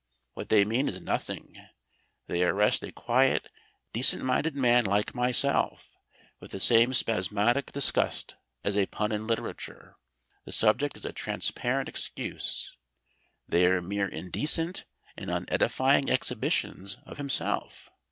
What they mean is nothing, they arrest a quiet decent minded man like myself with the same spasmodic disgust as a pun in literature the subject is a transparent excuse; they are mere indecent and unedifying exhibitions of himself.